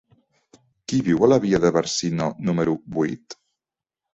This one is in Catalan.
Qui viu a la via de Bàrcino número vuit?